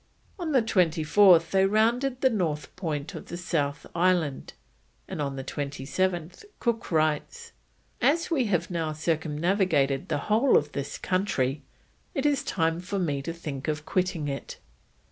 On the 24th they rounded the north point of the South Island, and on the 27th Cook writes: "As we have now circumnavigated the whole of this country, it is time for me to think of quitting it."